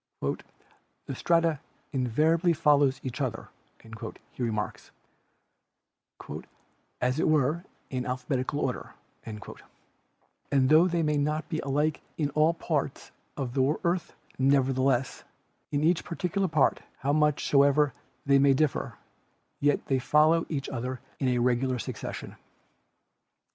"The strata invariably fol low each other," he remarks, "as it were, in alphabetical order," and tho they may not be alike in all parts of the earth, nevertheless "in each particular part, how much soever they may differ, yet they follow each other in a regular succession."